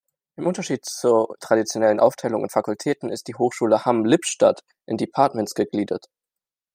Im Unterschied zur traditionellen Aufteilung in Fakultäten ist die Hochschule Hamm-Lippstadt in Departments gegliedert.